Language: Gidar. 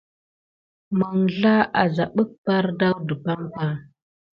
Məŋzla a zabaɓik ɓardawun ɗepanka.